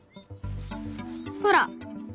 ほら。